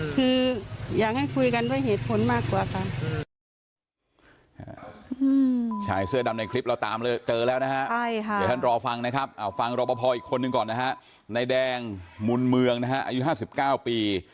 คืออยากจะให้คุยกันกันเพื่อเหตุผลมากกว่ากัน